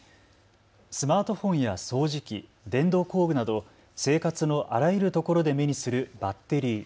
スマートフォンや掃除機、電動工具など生活のあらゆるところで目にするバッテリー。